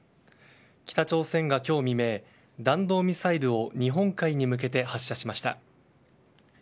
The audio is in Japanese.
北朝鮮が今日未明弾道ミサイルを日本海に向けて発射しました。